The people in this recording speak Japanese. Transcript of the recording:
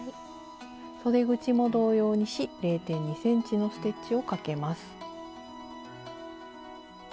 そで口も同様にし０．２ｃｍのステッチをかけます。